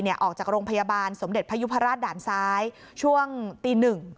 ออกจากโรงพยาบาลสมเด็จพยุพราชด่านซ้ายช่วงตีหนึ่ง